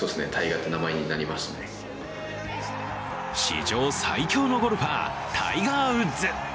史上最強のゴルファー、タイガー・ウッズ。